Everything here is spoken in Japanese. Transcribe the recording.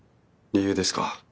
理由ですか。